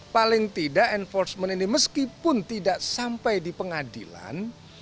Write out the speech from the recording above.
paling tidak enforcement ini meskipun tidak sampai di pengadilan